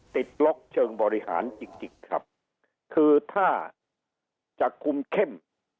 ติดล็อกเชิงบริหารจริงจริงครับคือถ้าจะคุมเข้ม